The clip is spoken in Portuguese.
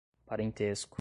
parentesco